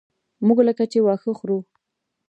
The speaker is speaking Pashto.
موږ لکه چې واښه خورو.